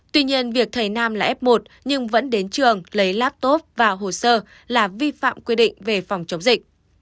tuy nhiên việc thầy nam là f một nhưng vẫn đến trường lấy laptop vào hồ sơ là vi phạm quy định về phòng chống dịch